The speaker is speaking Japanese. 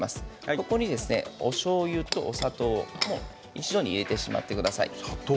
ここに、おしょうゆとお砂糖一緒に入れてしまってください。